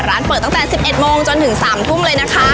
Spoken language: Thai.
ร้านเปิดตั้งแต่๑๑โมงจนถึง๓ทุ่มเลยนะคะ